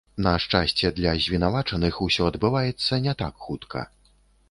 На шчасце для завінавачаных, усё адбываецца не так хутка.